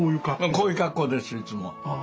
こういう格好ですいつも。